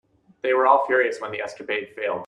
They were all furious when the escapade failed.